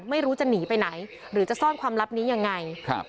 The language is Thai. ไม่รู้จะหนีไปไหนหรือจะซ่อนความลับนี้ยังไงครับ